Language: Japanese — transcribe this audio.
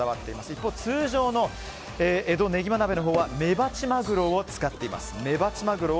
一方、通常の江戸ねぎま鍋のほうはメバチマグロを使っています。